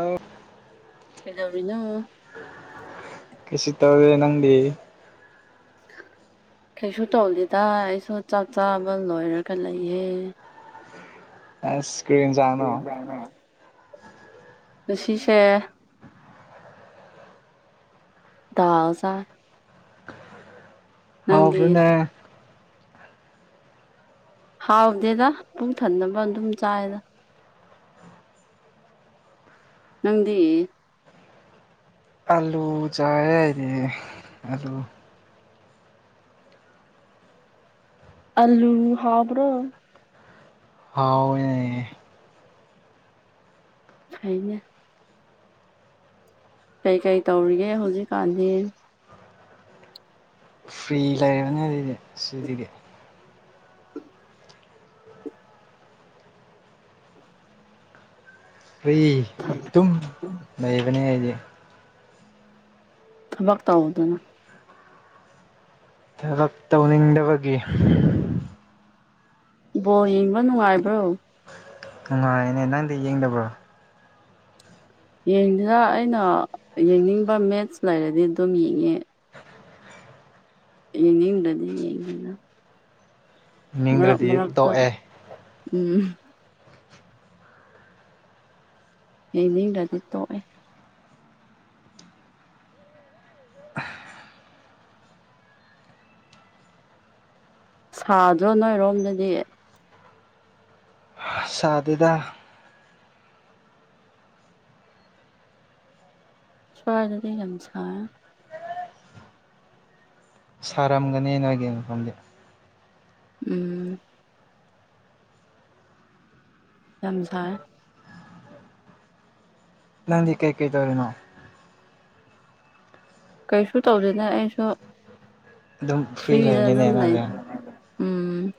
ꯑꯥꯎ ꯄꯂꯧꯔꯤꯅ ꯀꯁꯨ ꯇꯧꯔꯦ ꯅꯪꯗꯤ [inaudible] ꯀꯩꯁꯨ ꯇꯧꯗꯦꯗ ꯑꯩꯁꯨ ꯆꯥꯛ ꯆꯥꯕ ꯂꯣꯏꯔꯒ ꯂꯩꯍꯦ ꯑꯦ ꯏꯁ꯭ꯀ꯭ꯔꯤꯟ ꯆꯅꯣ ꯁꯤꯁꯦ ꯍꯖꯔ ꯍꯥꯥꯎꯔꯕꯅꯦ ꯍꯥꯎꯗꯦꯗ ꯄꯨꯡ ꯊꯅꯕ ꯑꯗꯨꯝ ꯆꯥꯏꯗ ꯅꯪꯗꯤ ꯑꯂꯨ ꯆꯥꯦꯔꯤ ꯑꯂꯨ ꯑꯜꯂꯨ ꯍꯥꯕ꯭ꯔꯣ ꯍꯥꯎ ꯍꯥꯏꯅꯦ ꯀꯩꯀꯩ ꯇꯧꯔꯤꯒꯦ ꯍꯧꯖꯤꯛꯀꯥꯟꯗꯤ ꯐ꯭ꯔꯤ ꯂꯩꯔꯕꯅꯤ ꯑꯗꯨꯗꯤ ꯁꯤꯗꯤ ꯐꯔꯤ ꯑꯗꯨꯨꯝ ꯂꯩꯕꯅꯦ ꯑꯩꯗꯤ ꯊꯃꯛ ꯇ ꯍꯗꯅ ꯊꯕꯛ ꯇꯧꯅꯤꯡꯗꯕꯒꯤ ꯕꯣ ꯌꯦꯡꯕ ꯅꯨꯡꯉꯥꯏꯕ꯭ꯔꯣ ꯅꯨꯡꯉꯥꯏꯅꯦ ꯅꯪꯗꯤ ꯌꯦꯡꯗꯕ꯭ꯔꯣ ꯌꯦꯡꯗꯅ ꯑꯩꯅ ꯌꯦꯡꯅꯤꯡꯕ ꯃꯦꯠꯁ ꯂꯩꯔꯗꯤ ꯑꯗꯨꯝ ꯌꯦꯡꯉꯦ ꯌꯦꯉꯗꯗꯤ ꯌꯦꯉꯦꯗ ꯃꯔꯛ ꯌꯦꯡꯅꯤꯡꯗ꯭ꯔꯗꯤ ꯃꯔꯥꯛꯇ ꯇꯣꯛꯑꯦ ꯎꯝ ꯍꯅꯤꯡꯔꯗꯤ ꯇꯣꯛꯑꯦ ꯁꯥꯗ꯭ꯔꯣ ꯅꯣꯏꯔꯣꯝꯗꯗꯤ ꯁꯥꯗꯗ ꯁ꯭ꯋꯥꯗꯗꯤ ꯀꯁ ꯁꯥꯔꯝꯒꯅꯦꯅꯒꯤꯡ ꯃꯐꯝꯗꯤ ꯎꯝ ꯂꯝꯝꯖꯥꯏ ꯅꯗꯤ ꯀꯩ ꯀꯩ ꯇꯧꯔꯅꯣ ꯀꯩꯁꯨ ꯇꯧꯗꯦꯗ ꯑꯩꯁꯨ ꯑꯗꯨꯝ ꯐ꯭ꯔꯤ ꯐ꯭ꯔꯤꯗ ꯑꯗꯨꯝ ꯂꯩ ꯂꯩꯕꯅꯤꯅꯦꯅꯗꯦ ꯎꯝ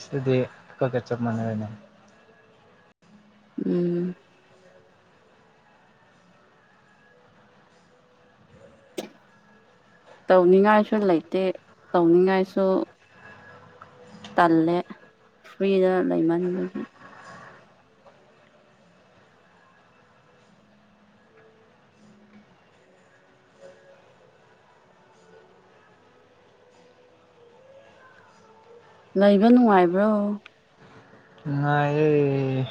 ꯁꯗꯗꯤ ꯄꯒ ꯆꯞ ꯃꯥꯟꯅꯔꯦꯅꯦ ꯎꯝ ꯇꯧꯅꯤꯡꯉꯥꯏꯁꯨ ꯂꯩꯇꯦ ꯇꯧꯅꯤꯡꯉꯥꯏꯁꯨ ꯇꯜꯂꯦ ꯐ꯭ꯔꯤꯗ ꯂꯩꯃꯟꯕꯒꯤ ꯂꯩꯕ ꯅꯨꯡꯉꯥꯏꯕ꯭ꯔꯣ ꯅꯨꯡꯉꯥꯏꯌꯦ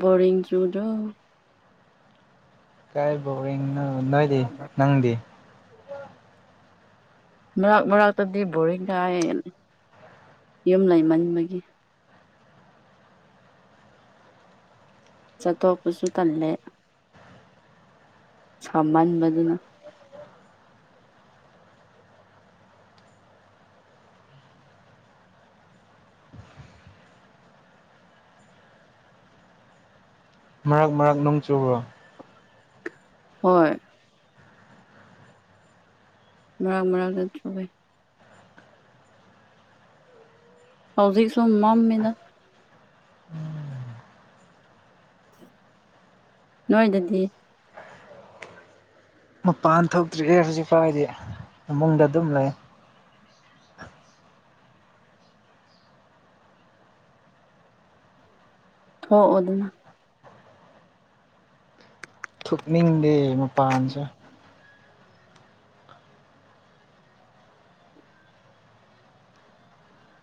ꯕꯣꯔꯤꯡ ꯆꯨꯗꯣ ꯀꯥꯏ ꯕꯣꯔꯤꯡꯅꯣ ꯅꯣꯏꯗꯤ ꯅꯪꯗꯤ ꯃꯔꯥꯛ ꯃꯔꯥꯛꯇꯗꯤ ꯕꯣꯔꯤꯡ ꯀꯥꯏꯅ ꯌꯨꯝ ꯂꯩꯃꯟꯕꯒꯤ ꯆꯠꯊꯣꯛꯄꯁꯨ ꯇꯜꯂꯦ ꯁꯃꯟꯍꯟꯕꯗꯨꯅ ꯃꯔꯛ ꯃꯔꯛ ꯅꯣꯡ ꯆꯨꯨꯕ꯭ꯔꯣ ꯍꯣꯏ ꯃꯔꯥꯛ ꯃꯔꯥꯛꯗ ꯆꯨꯕꯩ ꯍꯧꯖꯤꯛꯁꯨ ꯃꯃꯃꯦꯗ ꯅꯣꯏꯗꯗꯤ ꯃꯄꯥꯟ ꯊꯣꯛꯇ꯭ꯔꯤꯑꯦ ꯍꯧꯖꯤꯛꯐꯥꯎꯗꯤ ꯐꯃꯨꯡꯗ ꯑꯗꯨꯝ ꯂꯩ ꯊꯣꯛꯑꯣꯗꯅ ꯊꯣꯛꯅꯤꯡꯗꯦ ꯃꯄꯥꯟꯁꯦ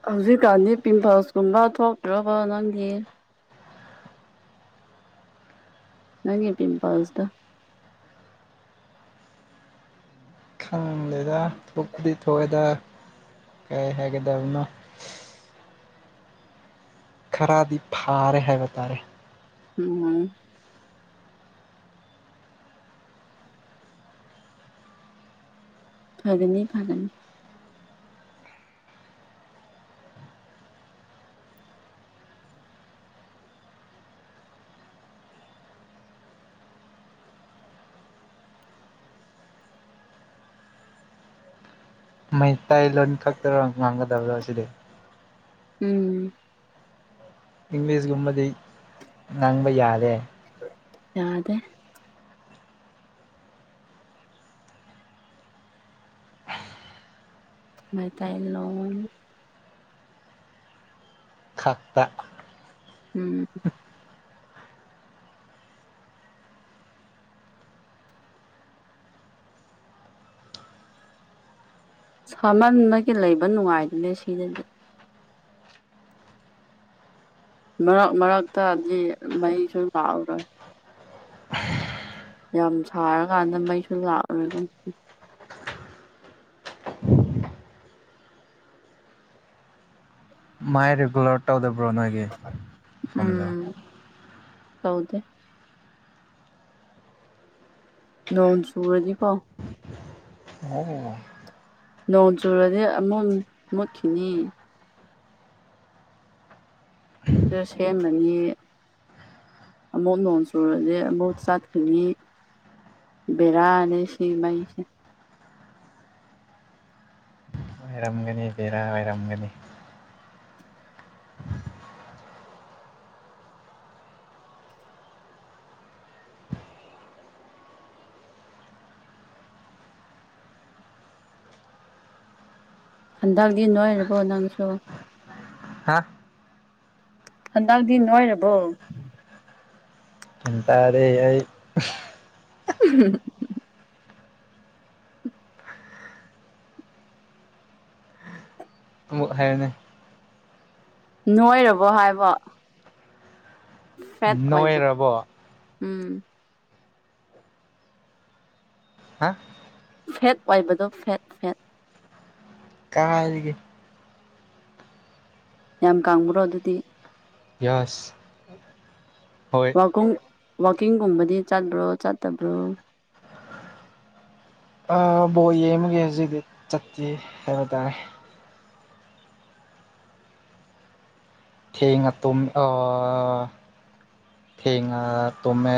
ꯍꯧꯖꯤꯛꯀꯥꯟꯗꯤ ꯄꯤꯝꯄꯜꯁꯀꯨꯝꯕ ꯊꯣꯛꯇ꯭ꯔꯕ ꯅꯪꯒꯤ ꯅꯪꯒꯤ ꯄꯤꯝꯄꯜꯁꯗꯨ ꯈꯪꯗꯦꯗ ꯀꯥꯏ ꯍꯥꯏꯒꯗꯕꯅꯣ ꯈꯔꯗꯤ ꯐꯥꯔꯦ ꯍꯥꯏꯕ ꯇꯥꯔꯦ ꯎꯝ ꯐꯒꯅꯤ ꯐꯒꯅꯤ ꯃꯩꯇꯩꯂꯣꯟ ꯈꯛꯇꯔꯣ ꯉꯥꯡꯒꯗꯕꯗꯣ ꯑꯁꯤꯗꯤ ꯎꯝ ꯏꯪꯂꯤꯁꯒꯨꯝꯕꯗꯤ ꯉꯥꯡꯕ ꯌꯥꯔꯦ ꯌꯥꯗꯦ ꯃꯩꯇꯩ ꯂꯣꯟ ꯈꯥꯛꯄ ꯎꯝ ꯁꯥꯃꯟꯕꯒꯤ ꯂꯩꯕ ꯅꯨꯡꯉꯥꯏꯗꯕꯅꯦ ꯁꯤꯗꯗꯤ ꯃꯔꯛ ꯃꯔꯛꯇꯗꯤ ꯃꯩꯁꯨ ꯂꯥꯛꯔꯣꯏ ꯌꯥꯝ ꯁꯥꯔꯀꯥꯟꯗ ꯃꯩꯁꯨ ꯂꯥꯛꯔꯣꯏꯕ ꯃꯥꯏ ꯔꯤꯒꯨꯂꯔ ꯇꯧꯗꯕ꯭ꯔꯣ ꯅꯣꯏꯒꯤ ꯃꯐꯝꯗꯣ ꯎꯝ ꯇꯧꯗꯦ ꯅꯣꯡ ꯆꯨꯔꯗꯤꯀꯣ ꯑꯣ ꯅꯣꯡ ꯆꯨꯨꯔꯗꯤ ꯑꯃꯨꯛ ꯃꯨꯠꯈꯤꯅꯤ ꯑꯗꯨ ꯁꯦꯝꯕꯅꯤ ꯑꯃꯨꯛ ꯅꯣꯡ ꯆꯨꯔꯗꯤ ꯑꯃꯨꯛ ꯆꯠꯈꯤꯅꯤ ꯕꯦꯔꯥꯅꯦ ꯁꯤꯃꯩꯁꯦ ꯑꯣꯏꯔꯝꯒꯅꯤ ꯕꯦꯔꯥ ꯑꯣꯏꯔꯝꯒꯅꯤ ꯍꯟꯗꯛꯗꯤ ꯅꯣꯏꯔꯕꯣ ꯅꯪꯁꯨ ꯍꯥ ꯍꯟꯗꯥꯡꯗꯤ ꯅꯣꯏꯔꯕꯣ ꯑꯟꯏꯟꯇꯦꯜꯂꯤꯖꯦꯕꯜ ꯑꯝꯍꯝꯍꯝ ꯑꯃꯨꯛ ꯍꯥꯏꯅꯦ ꯅꯣꯏꯔꯕꯣ ꯍꯥꯏꯕ ꯐꯦꯠ ꯑꯣꯏꯕ ꯅꯣꯏꯔꯕꯣ ꯎꯝ ꯍꯥ ꯐꯦꯠ ꯑꯣꯏꯏꯕꯗꯣ ꯐꯦꯠ ꯐꯦꯠ ꯀꯥꯏꯗꯒꯤ ꯌꯥꯝ ꯀꯥꯡꯕ꯭ꯔꯣ ꯑꯗꯨꯗꯤ ꯌꯥꯁ ꯍꯣꯏ ꯋꯥꯀꯤꯡ ꯋꯥꯋꯀꯤꯡꯒꯨꯝꯕꯗꯤ ꯆꯠꯄ꯭ꯔꯣ ꯆꯠꯇꯕ꯭ꯔꯣ ꯕꯣ ꯌꯦꯒꯖꯤꯗꯤ ꯆꯠꯇꯦ ꯍꯥꯏꯕ ꯇꯥꯔꯦ ꯊꯦꯡ ꯇꯨꯝ ꯊꯦꯡ ꯇꯃꯃꯦ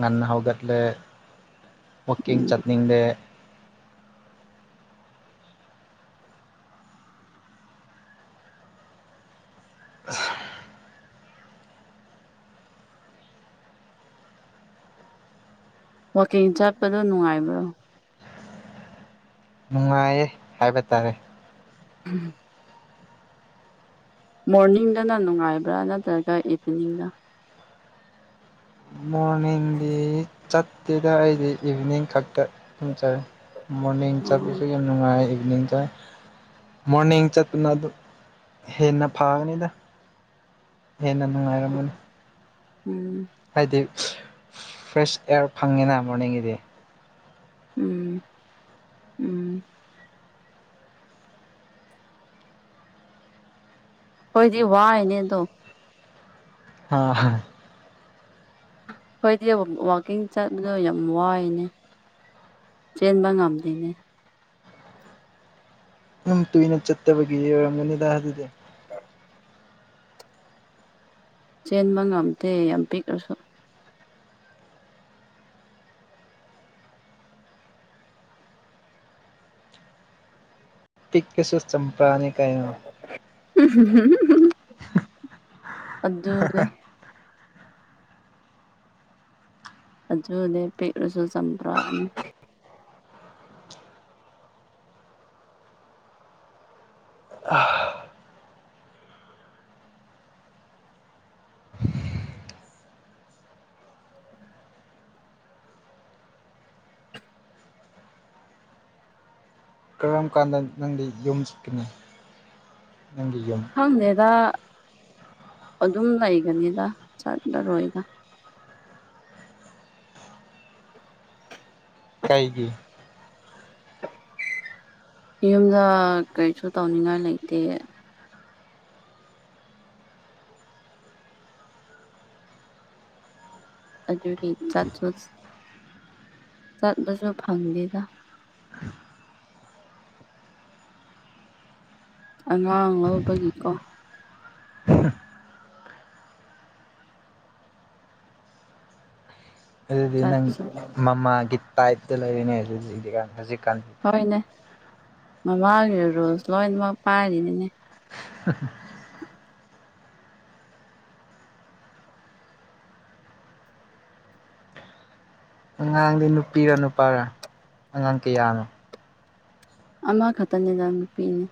ꯉꯥꯟꯅꯍꯧꯒꯠꯂꯦ ꯀꯤꯡ ꯎꯝ ꯆꯠꯅꯤꯡ ꯗꯦ ꯋꯥꯛꯀꯤꯡ ꯆꯠꯄꯗꯣ ꯅꯨꯡꯉꯥꯏꯕ꯭ꯔꯣ ꯍꯥꯏꯕꯠꯇꯔꯦ ꯎꯝ ꯃꯣꯔꯅꯤꯡꯗꯅ ꯅꯨꯡꯉꯥꯏꯕ꯭ꯔꯥ ꯅꯠꯇ꯭ꯔꯒ ꯏꯚꯤꯅꯤꯡꯅ ꯃꯣꯔꯅꯤꯡꯗꯤ ꯆꯠꯇꯦꯗ ꯑꯩꯗꯤ ꯏꯚꯤꯅꯤꯡ ꯈꯛꯇ ꯎꯝꯖꯔꯦ ꯃꯣꯔꯅꯤꯡ ꯑꯣ ꯆꯠꯄꯁꯨ ꯌꯥꯝ ꯅꯨꯡꯉꯥꯏ ꯏꯚꯅꯤꯡ ꯆꯥꯏ ꯃꯣꯔꯅꯤꯡ ꯆꯠꯇꯨꯅ ꯑꯗꯨ ꯍꯦꯟꯅ ꯐꯒꯅꯤꯗ ꯍꯦꯟꯅ ꯅꯨꯡꯉꯥꯏꯔꯝꯃꯅꯤ ꯎꯝ ꯐ꯭ꯔꯦꯁ ꯑꯦꯌꯥꯔ ꯐꯪꯉꯤꯅꯦ ꯃꯣꯔꯅꯤꯡꯒꯤꯗꯤ ꯎꯝ ꯎꯝ ꯍꯣꯏꯗꯤ ꯋꯥꯏꯅꯦꯗꯣ ꯑ ꯍꯥ ꯍꯣꯏꯗꯤ ꯋꯥꯋꯥꯛꯀꯤꯡ ꯆꯠꯄꯗꯣ ꯌꯥꯝ ꯋꯥꯏꯅꯦ ꯆꯦꯟꯕ ꯉꯝꯗꯦꯅꯦ ꯑꯗꯨꯝ ꯀꯨꯏꯅ ꯆꯠꯇꯕꯒꯤ ꯑꯣꯏꯔꯝꯒꯅꯤꯗ ꯑꯗꯨꯗꯤ ꯑ ꯆꯦꯟꯕ ꯉꯝꯗꯦ ꯌꯥꯝ ꯄꯤꯛꯂꯁꯨ ꯄꯤꯛꯀꯤꯁꯨ ꯆꯝꯄ꯭ꯔꯥꯅꯦ ꯀꯥꯏꯩꯅ ꯑꯗꯨꯗꯦ ꯑꯖꯗ ꯄꯦꯔꯁꯨ ꯁꯄ꯭ꯔꯥ ꯀꯔꯝ ꯀꯥꯟꯗ ꯅꯪꯗꯤ ꯌꯨꯝ ꯆꯠꯀꯅꯤ ꯅꯪꯒꯤ ꯌꯨꯝ ꯈꯪꯗꯦꯗ ꯑꯗꯨꯝ ꯂꯩꯒꯅꯤꯗ ꯆꯠꯂꯔꯣꯏꯗ ꯀꯩꯒꯤ ꯌꯨꯝꯗ ꯀꯩꯁꯨ ꯇꯧꯅꯤꯡꯉꯥꯏ ꯂꯩꯇꯦ ꯑꯗꯨꯖ ꯍ ꯆꯥꯟꯖꯣꯁ ꯆꯠꯗꯁꯨ ꯐꯪꯗꯗ ꯑꯉꯥꯡ ꯂꯧꯕꯒꯤꯀꯣ ꯑꯗꯨꯗꯤ ꯅꯪ ꯆꯠꯁꯨ ꯃꯃꯥꯒꯤ ꯇꯥꯏꯞꯇ ꯂꯩꯔꯤꯅꯦ ꯑꯗꯨ ꯍꯧꯀ ꯍꯧꯖꯤꯛ ꯍꯣꯏꯅꯦ ꯃꯃꯥꯡꯒꯤꯗ ꯔꯣꯜꯁ ꯂꯣꯏꯅꯃꯛ ꯄꯥꯏꯔꯤꯅꯤꯅꯦ ꯎꯝ ꯑꯉꯥꯡꯗꯤ ꯅꯨꯄꯤꯔ ꯅꯨꯄꯥꯔ ꯑꯉꯥꯡ ꯀꯌꯥꯅꯣ ꯑꯃ ꯈꯛꯇꯅꯤꯗ ꯅꯨꯄꯤꯅꯦ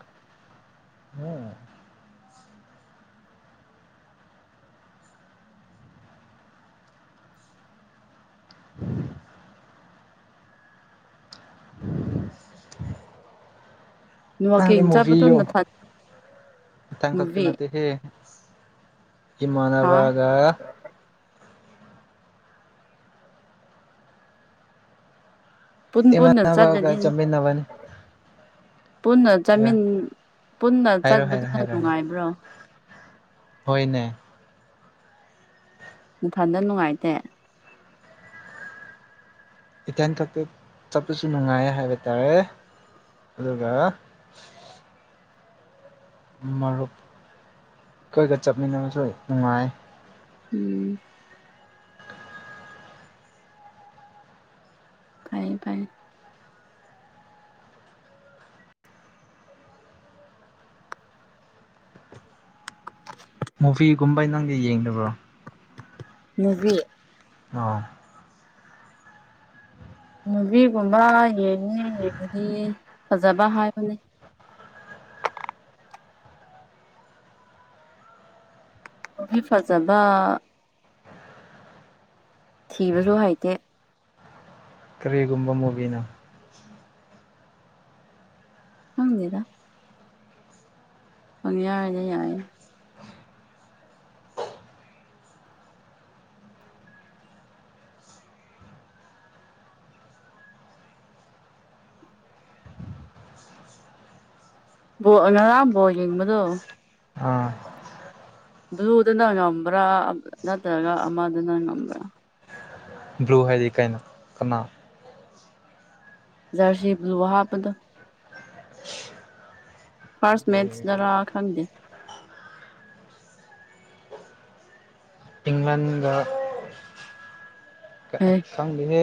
ꯑꯪ ꯋꯥꯛꯀꯤꯡ ꯆꯠꯄꯗꯨ ꯃꯨꯚꯤꯨ ꯅꯊꯟ ꯇꯪ ꯀꯇ ꯅꯨꯕꯤ ꯅꯠꯇꯦ ꯍꯦ ꯍꯥ ꯏꯃꯅꯕꯒ ꯄꯨꯟ ꯄꯨꯟꯅ ꯏꯃꯥꯟꯅꯕꯒ ꯆꯠꯂꯗꯤ ꯆꯠꯃꯤꯟꯅꯕꯅꯤ ꯄꯨꯟꯅ ꯆꯠ ꯄꯨꯟꯅ ꯆꯠꯄꯗꯨꯅ ꯅꯨꯡꯉꯥꯏꯕ꯭ꯔꯣ ꯍꯣꯏ ꯅꯦ ꯃꯊꯟꯗ ꯅꯨꯡꯉꯥꯏꯇꯦ ꯏꯊꯟꯊꯛꯇ ꯆꯠꯄꯁꯨ ꯅꯨꯡꯉꯥꯏ ꯍꯥꯏꯕ ꯇꯥꯔꯦ ꯑꯗꯨꯒ ꯃꯔꯨꯞ ꯈꯣꯏꯒ ꯆꯠꯃꯤꯟꯅꯕꯁ‌ꯦ ꯅꯨꯡꯉꯥꯏꯌ‌ꯦ ꯎꯝ ꯐꯌꯦ ꯐꯌꯦ ꯃꯨꯚꯤꯒꯨꯝꯕ ꯅꯪꯗꯤ ꯌꯦꯡꯗꯕ꯭ꯔꯣ ꯃꯨꯚꯤ ꯑ ꯃꯨꯚꯤꯒꯨꯝꯕ ꯌꯦꯡꯉ‌ꯦ ꯌ‌ꯦꯡꯕꯗꯤ ꯐꯖꯕ ꯍꯥꯏꯕꯅꯦ [unintelligible] ꯃꯨꯚꯤ ꯐꯖꯕ ꯊꯤꯕꯁꯨ ꯍꯩꯇꯦ ꯀꯔꯤꯒꯨꯝꯕ ꯃꯨꯕꯤꯅꫭ ꯈꯪꯗ‌ꯦꯗ ꯄꯪ ꯌꯥꯏ ꯌꯥꯏꯗ ꯕꯣꯜ ꯑꫭꯏꯅ ꯉꯔꯥꯡꯕꯣꯜ ꯌꯦꯡꯕꯗꯣ ꯑꯥ ꯚ꯭ꯂꯨꯗꯅ ꯉꯝꯕ꯭ꯔꯥ ꯅꯠꯇ꯭ꯔꯒ ꯑꯃꯗꯨꯅ ꯉꯝꯕ꯭ꯔꯥ ꯕ꯭ꯂꯨ ꯍꯥꯏꯗꯤ ꯀꯩꯅꯣ ꯀꯅꯥ ꯖꯔꯁꯤ ꯕ꯭ꯂꯨ ꯍꯥꯞꯄꯗ ꯐꯥꯔꯁ ꯃꯦꯁ ꯇꯥꯔꯥ ꯈꯪꯗ‌ꯦ ꯏꯪꯂꯦꯟꯒ ꯍꯦ ꯈꯪꯗ‌ꯦ ꯍꯦ